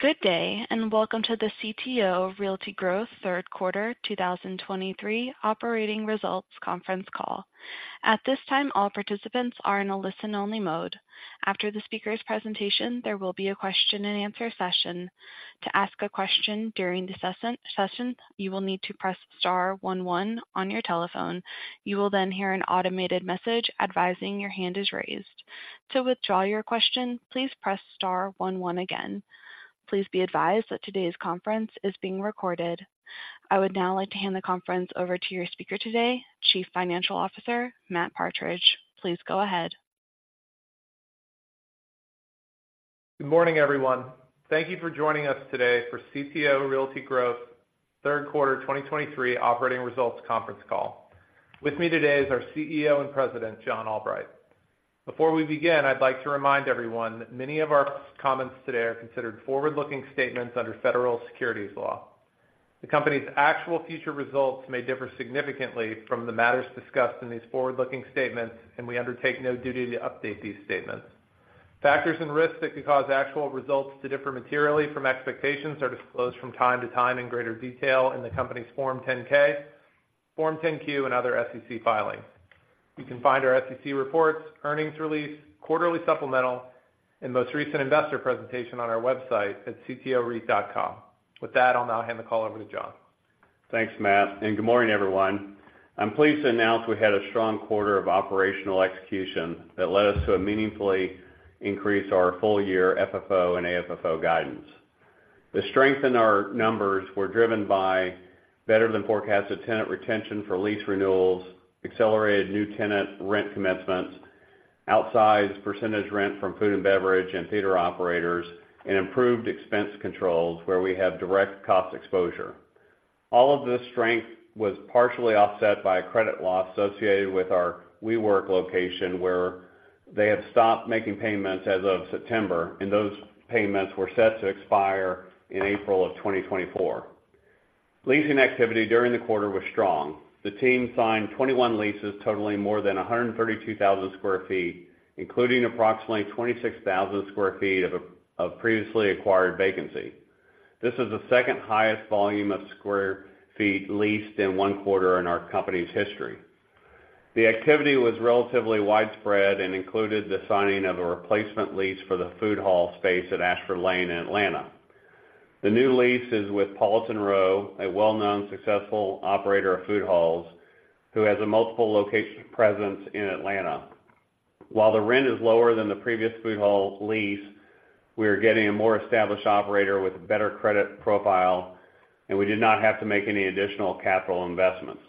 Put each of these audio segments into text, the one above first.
Good day, and welcome to the CTO Realty Growth Third Quarter 2023 Operating Results Conference Call. At this time, all participants are in a listen-only mode. After the speaker's presentation, there will be a question-and-answer session. To ask a question during the session, you will need to press star one one on your telephone. You will then hear an automated message advising your hand is raised. To withdraw your question, please press star one one again. Please be advised that today's conference is being recorded. I would now like to hand the conference over to your speaker today, Chief Financial Officer, Matt Partridge. Please go ahead. Good morning, everyone. Thank you for joining us today for CTO Realty Growth Third Quarter 2023 Operating Results conference call. With me today is our Chief Executive Officer and President, John Albright. Before we begin, I'd like to remind everyone that many of our comments today are considered forward-looking statements under federal securities law. The Company's actual future results may differ significantly from the matters discussed in these forward-looking statements, and we undertake no duty to update these statements. Factors and risks that could cause actual results to differ materially from expectations are disclosed from time to time in greater detail in the Company's Form 10-K, Form 10-Q, and other SEC filings. You can find our SEC reports, earnings release, quarterly supplemental, and most recent investor presentation on our website at ctoreit.com. With that, I'll now hand the call over to John. Thanks, Matt, and good morning, everyone. I'm pleased to announce we had a strong quarter of operational execution that led us to meaningfully increase our full-year FFO and AFFO guidance. The strength in our numbers were driven by better-than-forecasted tenant retention for lease renewals, accelerated new tenant rent commencements, outsized percentage rent from food and beverage and theater operators, and improved expense controls where we have direct cost exposure. All of this strength was partially offset by a credit loss associated with our WeWork location, where they have stopped making payments as of September, and those payments were set to expire in April of 2024. Leasing activity during the quarter was strong. The team signed 21 leases totaling more than 132,000 sq ft, including approximately 26,000 sq ft of previously acquired vacancy. This is the second highest volume of square feet leased in one quarter in our company's history. The activity was relatively widespread and included the signing of a replacement lease for the food hall space at Ashford Lane in Atlanta. The new lease is with Politan Row, a well-known, successful operator of food halls, who has a multiple location presence in Atlanta. While the rent is lower than the previous food hall lease, we are getting a more established operator with a better credit profile, and we did not have to make any additional capital investments.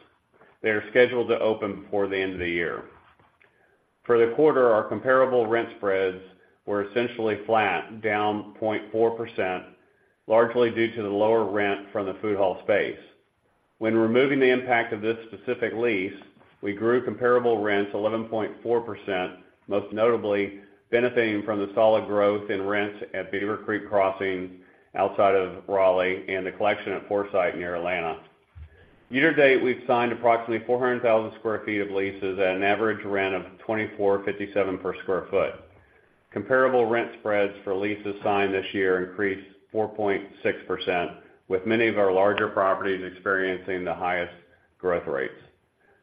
They are scheduled to open before the end of the year. For the quarter, our comparable rent spreads were essentially flat, down 0.4%, largely due to the lower rent from the food hall space. When removing the impact of this specific lease, we grew comparable rents 11.4%, most notably benefiting from the solid growth in rents at Beaver Creek Crossing outside of Raleigh and the Collection at Forsyth near Atlanta. Year-to-date, we've signed approximately 400,000 sq ft of leases at an average rent of $24.57 per sq ft. Comparable rent spreads for leases signed this year increased 4.6%, with many of our larger properties experiencing the highest growth rates.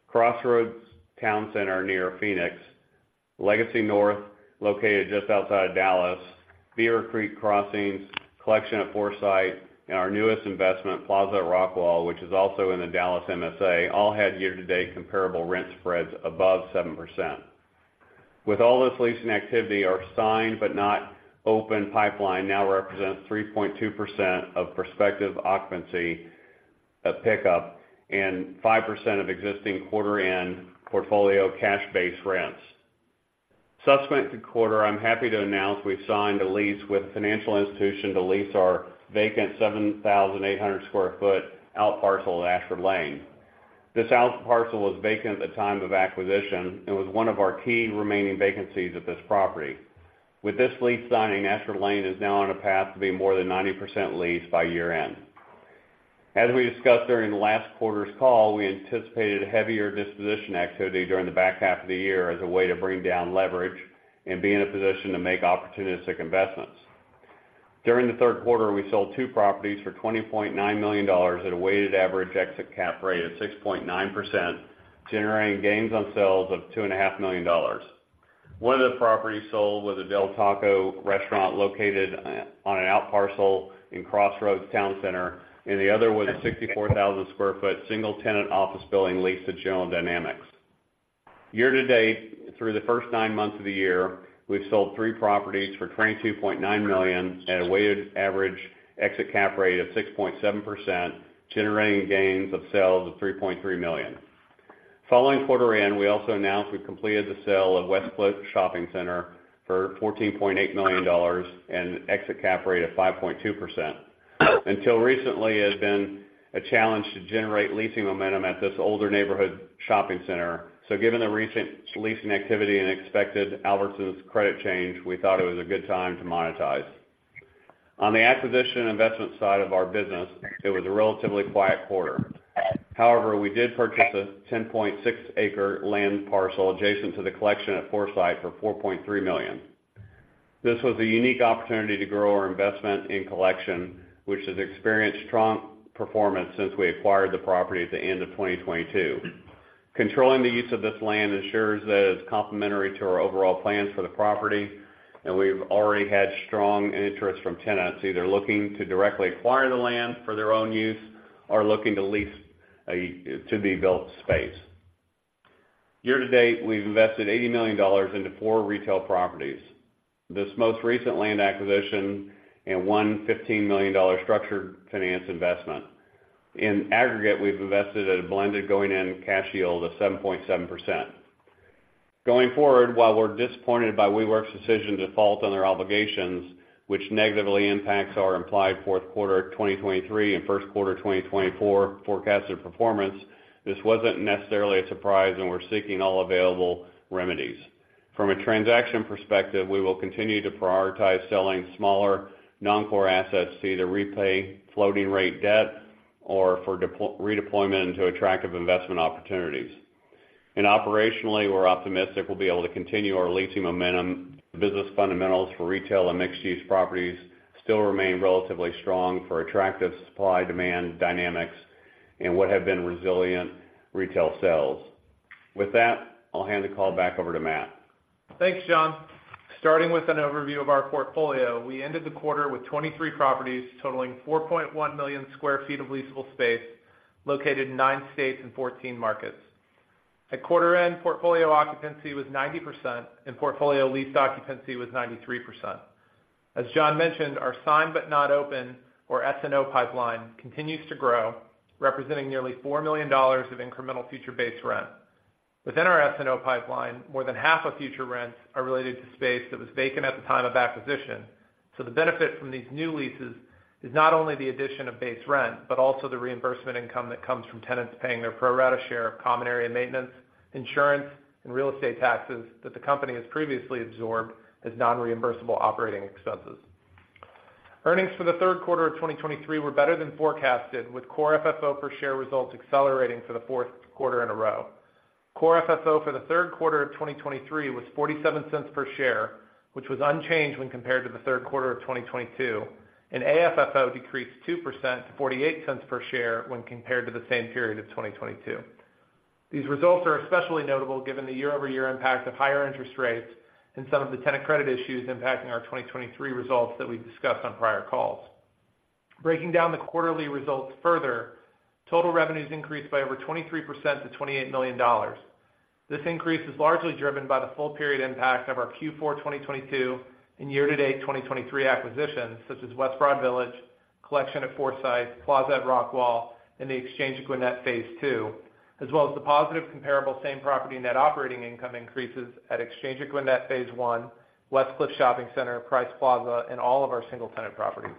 Crossroads Towne Center near Phoenix, Legacy North, located just outside of Dallas, Beaver Creek Crossing, Collection at Forsyth, and our newest investment, Plaza at Rockwall, which is also in the Dallas MSA, all had year-to-date comparable rent spreads above 7%. With all this leasing activity, our signed but not open pipeline now represents 3.2% of prospective occupancy pickup and 5% of existing quarter end portfolio cash base rents. Subsequent to quarter, I'm happy to announce we've signed a lease with a financial institution to lease our vacant 7,800 sq ft out parcel at Ashford Lane. This out parcel was vacant at the time of acquisition and was one of our key remaining vacancies at this property. With this lease signing, Ashford Lane is now on a path to be more than 90% leased by year-end. As we discussed during last quarter's call, we anticipated heavier disposition activity during the back half of the year as a way to bring down leverage and be in a position to make opportunistic investments. During the third quarter, we sold two properties for $20.9 million at a weighted average exit cap rate of 6.9%, generating gains on sales of $2.5 million. One of the properties sold was a Del Taco restaurant located on an out parcel in Crossroads Town Center, and the other was a 64,000 sq ft single-tenant office building leased to General Dynamics. Year-to-date, through the first nine months of the year, we've sold three properties for $22.9 million at a weighted average exit cap rate of 6.7%, generating gains of sales of $3.3 million. Following quarter end, we also announced we've completed the sale of Westcliff Shopping Center for $14.8 million and exit cap rate of 5.2%. Until recently, it had been a challenge to generate leasing momentum at this older neighborhood shopping center. So given the recent leasing activity and expected Albertsons credit change, we thought it was a good time to monetize. On the acquisition and investment side of our business, it was a relatively quiet quarter. However, we did purchase a 10.6-acre land parcel adjacent to the Collection at Forsyth for $4.3 million. This was a unique opportunity to grow our investment in Collection, which has experienced strong performance since we acquired the property at the end of 2022. Controlling the use of this land ensures that it's complementary to our overall plans for the property, and we've already had strong interest from tenants either looking to directly acquire the land for their own use or looking to lease a to-be-built space. Year-to-date, we've invested $80 million into four retail properties, this most recent land acquisition, and one $15 million structured finance investment. In aggregate, we've invested at a blended going-in cash yield of 7.7%. Going forward, while we're disappointed by WeWork's decision to default on their obligations, which negatively impacts our implied fourth quarter of 2023 and first quarter of 2024 forecasted performance, this wasn't necessarily a surprise, and we're seeking all available remedies. From a transaction perspective, we will continue to prioritize selling smaller, non-core assets to either repay floating rate debt or for redeployment into attractive investment opportunities. Operationally, we're optimistic we'll be able to continue our leasing momentum. Business fundamentals for retail and mixed-use properties still remain relatively strong for attractive supply-demand dynamics and what have been resilient retail sales. With that, I'll hand the call back over to Matt. Thanks, John. Starting with an overview of our portfolio, we ended the quarter with 23 properties, totaling 4.1 million sq ft of leasable space, located in nine states and 14 markets. At quarter-end, portfolio occupancy was 90%, and portfolio leased occupancy was 93%. As John mentioned, our signed-but-not-open, or SNO pipeline, continues to grow, representing nearly $4 million of incremental future base rent. Within our SNO pipeline, more than half of future rents are related to space that was vacant at the time of acquisition. So the benefit from these new leases is not only the addition of base rent, but also the reimbursement income that comes from tenants paying their pro rata share of common area maintenance, insurance, and real estate taxes that the company has previously absorbed as non-reimbursable operating expenses. Earnings for the third quarter of 2023 were better than forecasted, with Core FFO per share results accelerating for the fourth quarter in a row. Core FFO for the third quarter of 2023 was $0.47 per share, which was unchanged when compared to the third quarter of 2022, and AFFO decreased 2% to $0.48 per share when compared to the same period of 2022. These results are especially notable given the year-over-year impact of higher interest rates and some of the tenant credit issues impacting our 2023 results that we've discussed on prior calls. Breaking down the quarterly results further, total revenues increased by over 23% to $28 million. This increase is largely driven by the full period impact of our Q4 2022 and year-to-date 2023 acquisitions, such as West Broad Village, Collection at Forsyth, Plaza at Rockwall, and Exchange at Gwinnett Phase Two, as well as the positive comparable same-property net operating income increases at Exchange at Gwinnett Phase One, Westcliff Shopping Center, Price Plaza, and all of our single-tenant properties.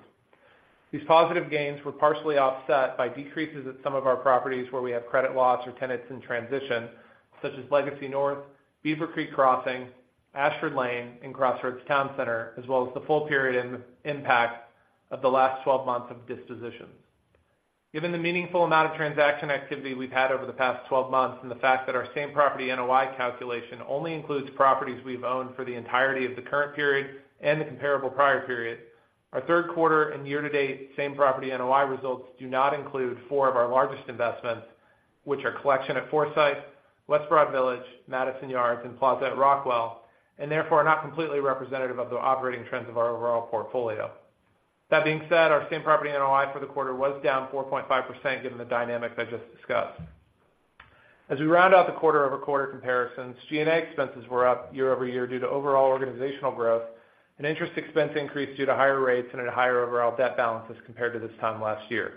These positive gains were partially offset by decreases at some of our properties where we have credit loss or tenants in transition, such as Legacy North, Beaver Creek Crossing, Ashford Lane, and Crossroads Towne Center, as well as the full period impact of the last 12 months of dispositions. Given the meaningful amount of transaction activity we've had over the past 12 months, and the fact that our same-property NOI calculation only includes properties we've owned for the entirety of the current period and the comparable prior period, our third quarter and year-to-date same-property NOI results do not include four of our largest investments, which are Collection at Forsyth, West Broad Village, Madison Yards, and Plaza at Rockwall, and therefore, are not completely representative of the operating trends of our overall portfolio. That being said, our same-property NOI for the quarter was down 4.5%, given the dynamics I just discussed. As we round out the quarter-over-quarter comparisons, G&A expenses were up year-over-year due to overall organizational growth, and interest expense increased due to higher rates and a higher overall debt balance as compared to this time last year.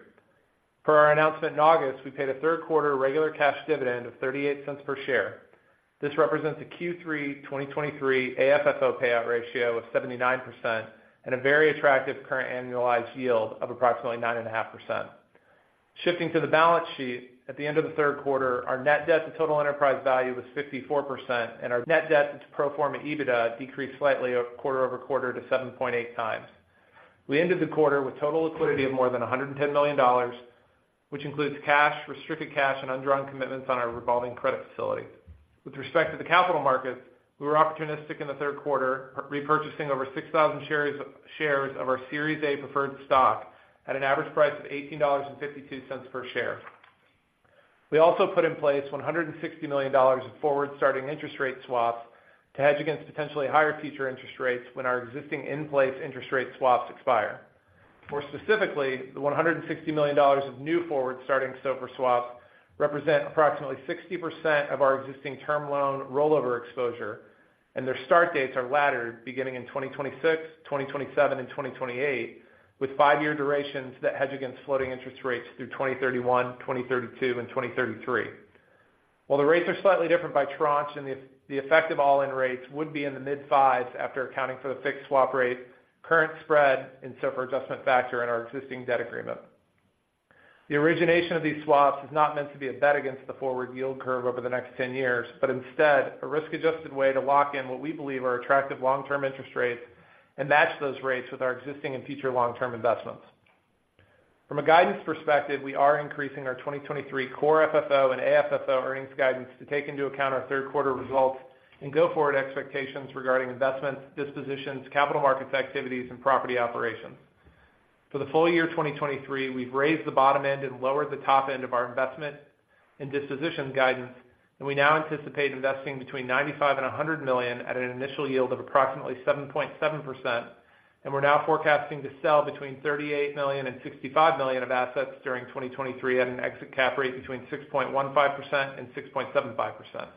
Per our announcement in August, we paid a third quarter regular cash dividend of $0.38 per share. This represents a Q3 2023 AFFO payout ratio of 79% and a very attractive current annualized yield of approximately 9.5%. Shifting to the balance sheet, at the end of the third quarter, our net debt to total enterprise value was 54%, and our net debt to pro forma EBITDA decreased slightly quarter over quarter to 7.8x. We ended the quarter with total liquidity of more than $110 million, which includes cash, restricted cash, and undrawn commitments on our revolving credit facility. With respect to the capital markets, we were opportunistic in the third quarter, repurchasing over 6,000 shares of our Series A preferred stock at an average price of $18.52 per share. We also put in place $160 million in forward-starting interest rate swaps to hedge against potentially higher future interest rates when our existing in-place interest rate swaps expire. More specifically, the $160 million of new forward starting SOFR swaps represent approximately 60% of our existing term loan rollover exposure, and their start dates are laddered beginning in 2026, 2027, and 2028, with five-year durations that hedge against floating interest rates through 2031, 2032, and 2033. While the rates are slightly different by tranche and the effect of all-in rates would be in the mid-fives after accounting for the fixed swap rate, current spread, and SOFR adjustment factor in our existing debt agreement. The origination of these swaps is not meant to be a bet against the forward yield curve over the next 10 years, but instead, a risk-adjusted way to lock in what we believe are attractive long-term interest rates, and match those rates with our existing and future long-term investments. From a guidance perspective, we are increasing our 2023 Core FFO and AFFO earnings guidance to take into account our third quarter results and go forward expectations regarding investments, dispositions, capital markets activities, and property operations. For the full year 2023, we've raised the bottom end and lowered the top end of our investment and disposition guidance, and we now anticipate investing between $95 million and $100 million at an initial yield of approximately 7.7%, and we're now forecasting to sell between $38 million and $65 million of assets during 2023 at an exit cap rate between 6.15% and 6.75%.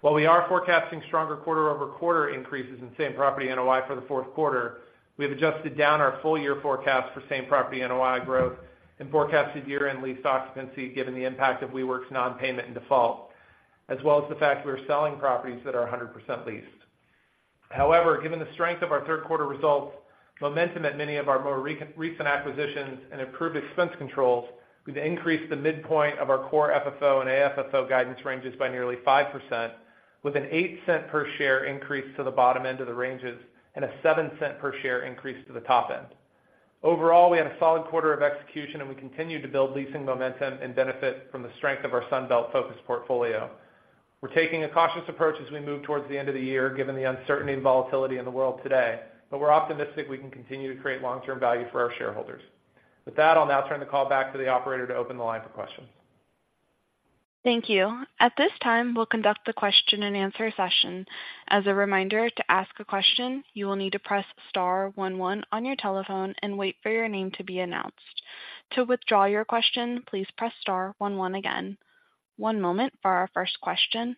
While we are forecasting stronger quarter-over-quarter increases in same-property NOI for the fourth quarter, we have adjusted down our full year forecast for same-property NOI growth and forecasted year-end lease occupancy, given the impact of WeWork's non-payment and default, as well as the fact we are selling properties that are 100% leased. However, given the strength of our third quarter results, momentum at many of our more recent acquisitions and improved expense controls, we've increased the midpoint of our Core FFO and AFFO guidance ranges by nearly 5%, with an $0.08 per share increase to the bottom end of the ranges and a $0.07 per share increase to the top end. Overall, we had a solid quarter of execution, and we continued to build leasing momentum and benefit from the strength of our Sun Belt-focused portfolio. We're taking a cautious approach as we move towards the end of the year, given the uncertainty and volatility in the world today, but we're optimistic we can continue to create long-term value for our shareholders. With that, I'll now turn the call back to the operator to open the line for questions. Thank you. At this time, we'll conduct the question-and-answer session. As a reminder, to ask a question, you will need to press star one one on your telephone and wait for your name to be announced. To withdraw your question, please press star one one again. One moment for our first question.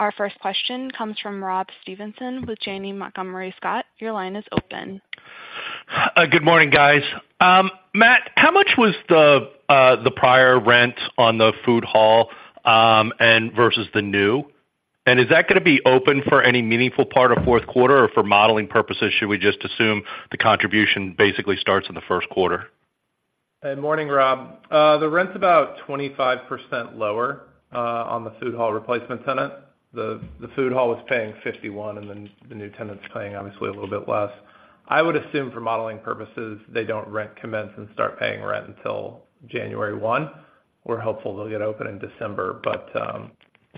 Our first question comes from Rob Stevenson with Janney Montgomery Scott. Your line is open. Good morning, guys. Matt, how much was the prior rent on the food hall, and versus the new? Is that going to be open for any meaningful part of fourth quarter, or for modeling purposes, should we just assume the contribution basically starts in the first quarter? Good morning, Rob. The rent's about 25% lower on the food hall replacement tenant. The food hall was paying $51, and then the new tenant's paying obviously a little bit less. I would assume for modeling purposes, they don't rent commence and start paying rent until January 1. We're hopeful they'll get open in December, but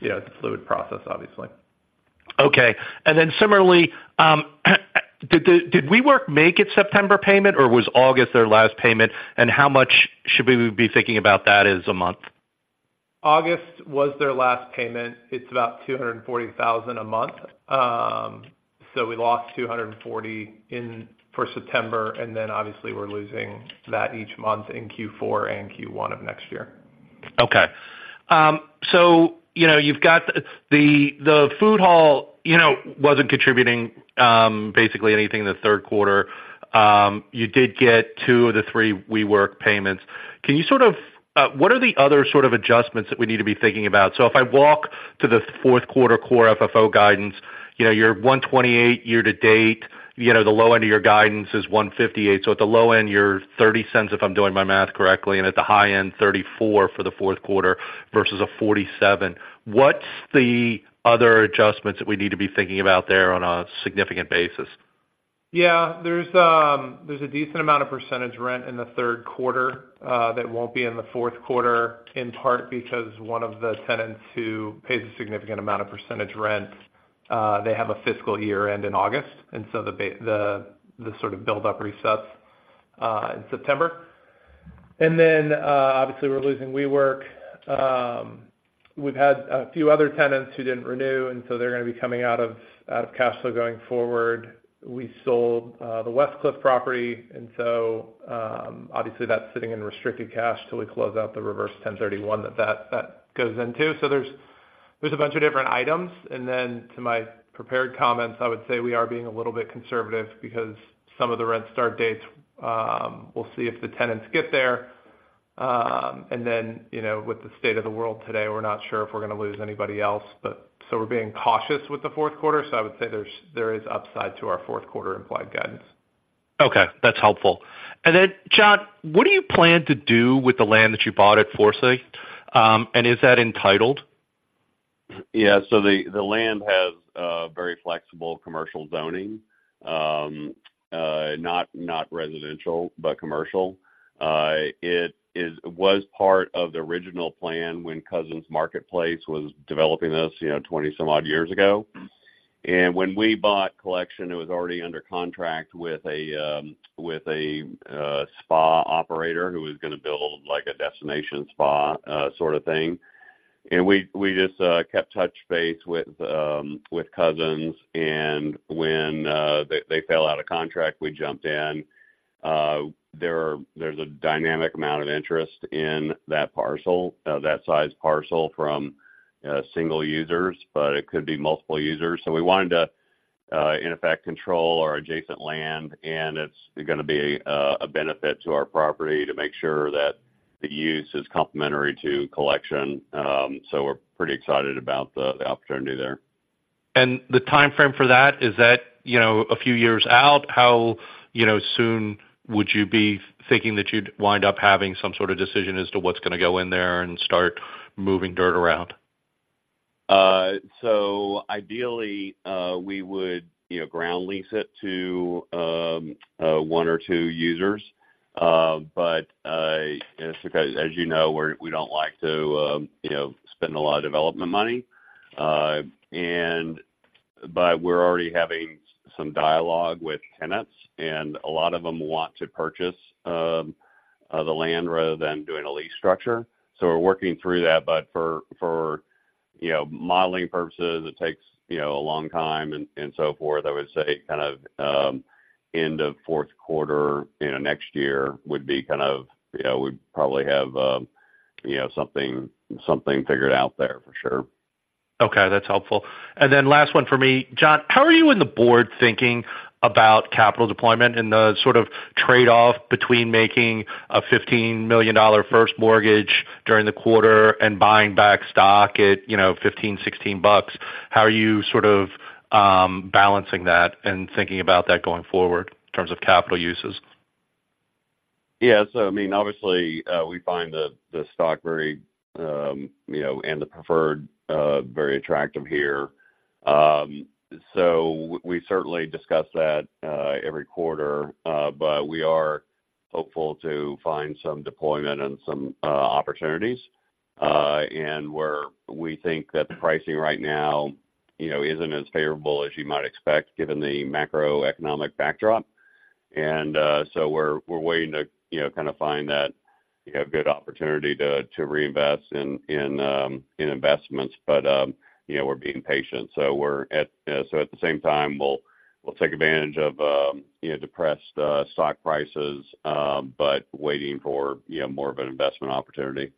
you know, it's a fluid process, obviously. Okay. And then similarly, did WeWork make its September payment, or was August their last payment? And how much should we be thinking about that as a month? August was their last payment. It's about $240,000 a month. So we lost $240,000 for September, and then obviously we're losing that each month in Q4 and Q1 of next year. Okay. You know, you've got the food hall, you know, wasn't contributing, basically anything in the third quarter. You did get two of the three WeWork payments. Can you sort of... What are the other sort of adjustments that we need to be thinking about? If I walk to the fourth quarter core FFO guidance, you know, you're $1.28 year to date. The low end of your guidance is $1.58. At the low end, you're $0.30, if I'm doing my math correctly, and at the high end, $0.34 for the fourth quarter versus a $0.47. What's the other adjustments that we need to be thinking about there on a significant basis? Yeah, there's a decent amount of percentage rent in the third quarter that won't be in the fourth quarter, in part because one of the tenants who pays a significant amount of percentage rent, they have a fiscal year end in August, and so the sort of build-up resets in September. And then, obviously, we're losing WeWork. We've had a few other tenants who didn't renew, and so they're going to be coming out of cash flow going forward. We sold the Westcliff property, and so, obviously, that's sitting in restricted cash till we close out the reverse 1031 that goes in, too. So there's a bunch of different items. To my prepared comments, I would say we are being a little bit conservative because some of the rent start dates, we'll see if the tenants get there. You know, with the state of the world today, we're not sure if we're going to lose anybody else, but so we're being cautious with the fourth quarter, so I would say there is upside to our fourth quarter implied guidance. Okay, that's helpful. And then, John, what do you plan to do with the land that you bought at Forsyth? And is that entitled? Yeah, the land has very flexible commercial zoning, not residential, but commercial. It was part of the original plan when Cousins Properties was developing this, you know, 20 some odd years ago. When we bought Collection, it was already under contract with a spa operator, who was going to build, like, a destination spa sort of thing. We just kept touch base with Cousins, and when they fell out of contract, we jumped in. There is a dynamic amount of interest in that parcel, that size parcel from single users, but it could be multiple users. We wanted to, in effect, control our adjacent land, and it's going to be a benefit to our property to make sure that the use is complementary to Collection. So we're pretty excited about the opportunity there. The timeframe for that, is that, you know, a few years out? How, you know, soon would you be thinking that you'd wind up having some sort of decision as to what's going to go in there and start moving dirt around? So ideally, we would, you know, ground lease it to one or two users. But as you know, we don't like to, you know, spend a lot of development money. But we're already having some dialogue with tenants, and a lot of them want to purchase the land rather than doing a lease structure. So we're working through that. But for you know, modeling purposes, it takes, you know, a long time and so forth. I would say, kind of, end of fourth quarter, you know, next year would be kind of, you know, We'd probably have, you know, something, something figured out there for sure. Okay, that's helpful. And then last one for me. John, how are you and the board thinking about capital deployment and the sort of trade-off between making a $15 million first mortgage during the quarter and buying back stock at, you know, $15-$16? How are you sort of, balancing that and thinking about that going forward in terms of capital uses? Yeah. So I mean, obviously, we find the stock very, you know, and the preferred very attractive here. So we certainly discuss that every quarter. But we are hopeful to find some deployment and some opportunities, and where we think that the pricing right now, you know, isn't as favorable as you might expect, given the macroeconomic backdrop. And so we're waiting to, you know, kind of find that you have good opportunity to reinvest in investments. But you know, we're being patient, so we're at... So at the same time, we'll take advantage of, you know, depressed stock prices, but waiting for, you know, more of an investment opportunity.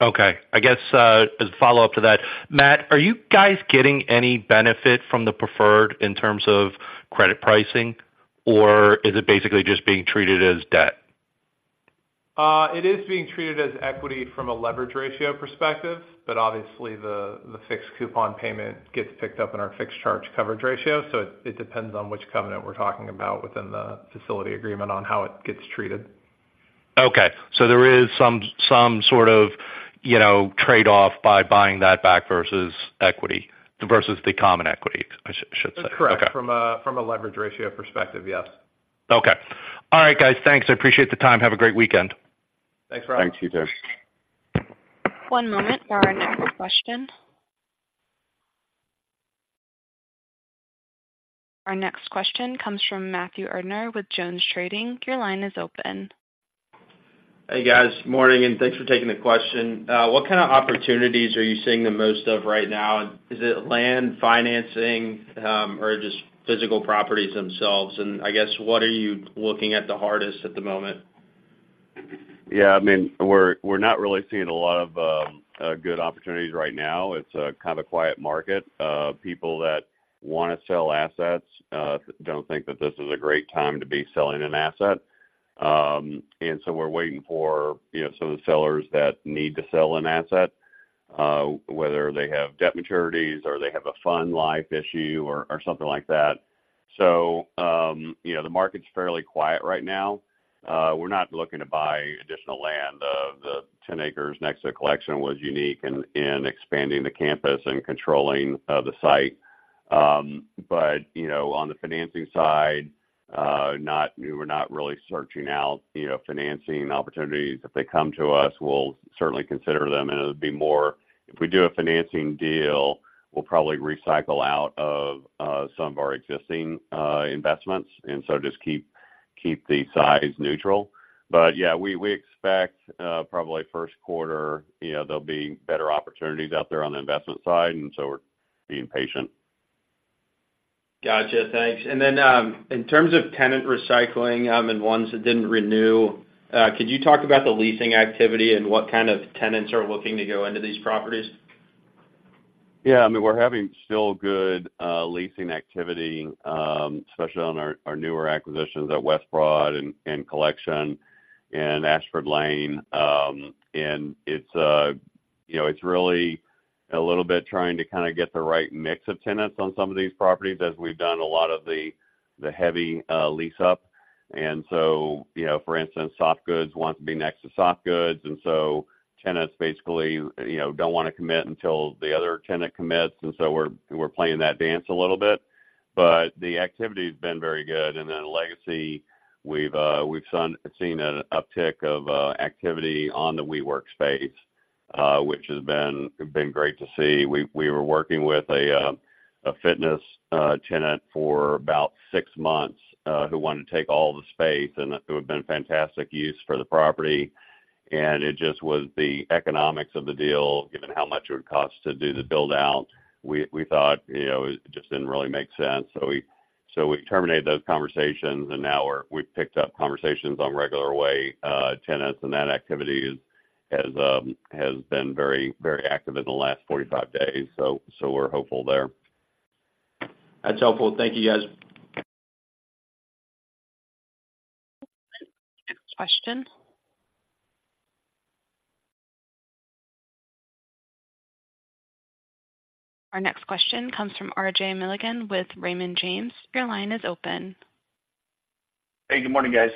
Okay. I guess, as a follow-up to that, Matt, are you guys getting any benefit from the preferred in terms of credit pricing, or is it basically just being treated as debt? It is being treated as equity from a leverage ratio perspective, but obviously the fixed coupon payment gets picked up in our fixed charge coverage ratio, so it depends on which covenant we're talking about within the facility agreement on how it gets treated. Okay, so there is some sort of, you know, trade-off by buying that back versus equity, versus the common equity, I should say. That's correct. Okay. From a leverage ratio perspective, yes. Okay. All right, guys. Thanks. I appreciate the time. Have a great weekend. Thanks, Rob. Thanks, you too. One moment for our next question. Our next question comes from Matthew Erdner with JonesTrading. Your line is open. Hey, guys. Morning, and thanks for taking the question. What kind of opportunities are you seeing the most of right now? Is it land financing, or just physical properties themselves? And I guess, what are you looking at the hardest at the moment? Yeah, I mean, we're not really seeing a lot of good opportunities right now. It's kind of a quiet market. People that want to sell assets don't think that this is a great time to be selling an asset. And so we're waiting for, you know, some of the sellers that need to sell an asset, whether they have debt maturities or they have a fund life issue or something like that. So, you know, the market's fairly quiet right now. We're not looking to buy additional land. The 10 acres next to Collection was unique in expanding the campus and controlling the site. But, you know, on the financing side, we were not really searching out, you know, financing opportunities. If they come to us, we'll certainly consider them, and it would be more... If we do a financing deal, we'll probably recycle out of some of our existing investments, and so just keep, keep the size neutral. But yeah, we, we expect probably first quarter, you know, there'll be better opportunities out there on the investment side, and so we're being patient. Gotcha, thanks. And then, in terms of tenant recycling, and ones that didn't renew, could you talk about the leasing activity and what kind of tenants are looking to go into these properties? Yeah, I mean, we're having still good leasing activity, especially on our newer acquisitions at West Broad and Collection and Ashford Lane. And it's, you know, it's really a little bit trying to kind of get the right mix of tenants on some of these properties, as we've done a lot of the heavy lease-up. And so, you know, for instance, soft goods want to be next to soft goods, and so tenants basically, you know, don't want to commit until the other tenant commits, and so we're playing that dance a little bit, but the activity has been very good. And then Legacy, we've seen an uptick of activity on the WeWork space, which has been great to see. We were working with a fitness tenant for about six months, who wanted to take all the space, and it would have been fantastic use for the property, and it just was the economics of the deal, given how much it would cost to do the build-out. We thought, you know, it just didn't really make sense, so we terminated those conversations, and now we've picked up conversations on regular way tenants, and that activity has been very, very active in the last 45 days. So we're hopeful there. That's helpful. Thank you, guys. Our next question comes from RJ Milligan with Raymond James. Your line is open. Hey, good morning, guys.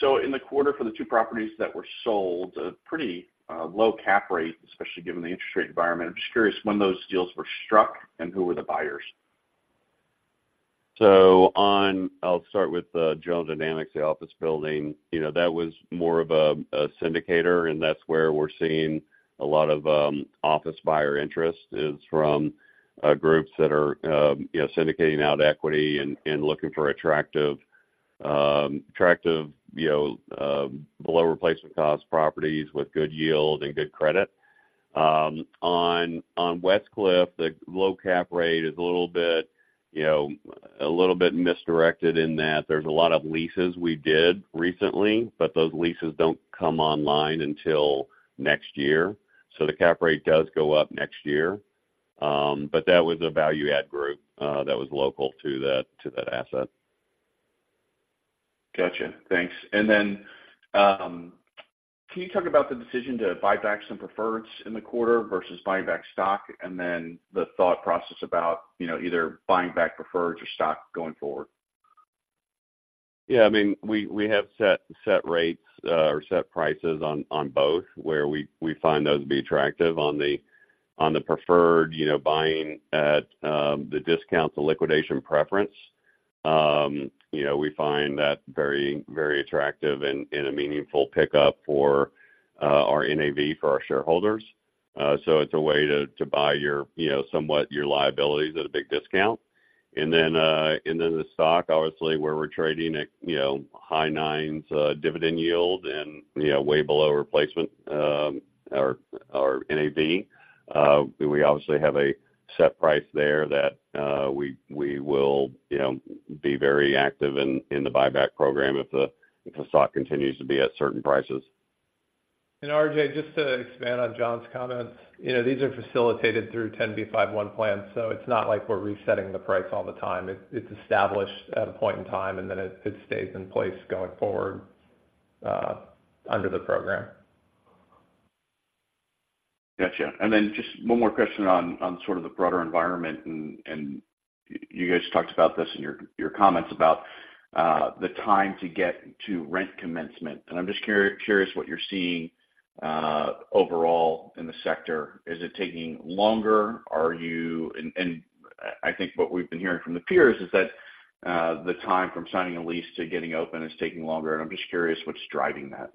So in the quarter for the two properties that were sold, a pretty low cap rate, especially given the interest rate environment. I'm just curious when those deals were struck and who were the buyers? So on, I'll start with General Dynamics, the office building. You know, that was more of a syndicator, and that's where we're seeing a lot of office buyer interest is from groups that are, you know, syndicating out equity and looking for attractive, attractive, you know, low replacement cost properties with good yield and good credit. On Westcliff, the low cap rate is a little bit, you know, a little bit misdirected in that there's a lot of leases we did recently, but those leases don't come online until next year. So the cap rate does go up next year. But that was a value add group that was local to that asset. Gotcha. Thanks. And then, can you talk about the decision to buy back some preferreds in the quarter versus buying back stock, and then the thought process about, you know, either buying back preferreds or stock going forward? Yeah, I mean, we have set rates or set prices on both, where we find those to be attractive on the preferred, you know, buying at the discounts, the liquidation preference. You know, we find that very, very attractive and a meaningful pickup for our NAV for our shareholders. So it's a way to buy your, you know, somewhat your liabilities at a big discount. And then the stock, obviously, where we're trading at, you know, high nines dividend yield and, you know, way below replacement our NAV. We obviously have a set price there that we will, you know, be very active in the buyback program if the stock continues to be at certain prices. RJ, just to expand on John's comments, you know, these are facilitated through 10b5-1 plans, so it's not like we're resetting the price all the time. It's established at a point in time, and then it stays in place going forward under the program. Gotcha. And then just one more question on sort of the broader environment, and you guys talked about this in your comments about the time to get to rent commencement. And I'm just curious what you're seeing overall in the sector. Is it taking longer? And I think what we've been hearing from the peers is that the time from signing a lease to getting open is taking longer, and I'm just curious what's driving that.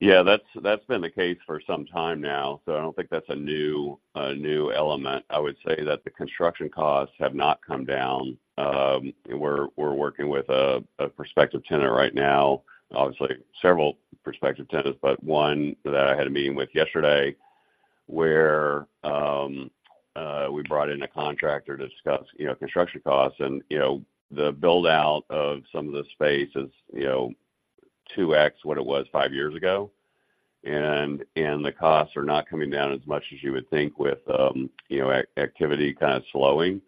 Yeah, that's, that's been the case for some time now, so I don't think that's a new, a new element. I would say that the construction costs have not come down. We're working with a prospective tenant right now, obviously several prospective tenants, but one that I had a meeting with yesterday, where we brought in a contractor to discuss, you know, construction costs. And, you know, the build-out of some of the space is, you know, 2x what it was five years ago, and the costs are not coming down as much as you would think with, you know, activity kind of slowing.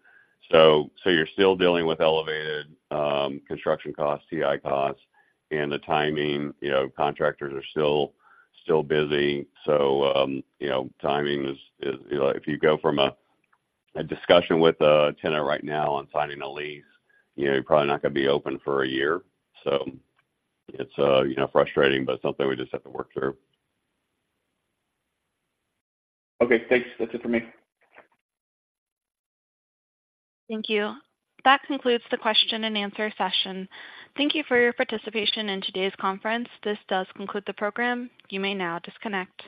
So you're still dealing with elevated construction costs, TI costs, and the timing, you know, contractors are still busy. So, you know, timing is. If you go from a discussion with a tenant right now on signing a lease, you know, you're probably not going to be open for a year. So it's, you know, frustrating, but something we just have to work through. Okay, thanks. That's it for me. Thank you. That concludes the question and answer session. Thank you for your participation in today's conference. This does conclude the program. You may now disconnect.